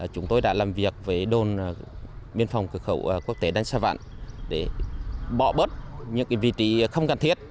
chúng tôi đã làm việc với đồn biên phòng cửa khẩu quốc tế đanh sa vạn để bỏ bớt những vị trí không cần thiết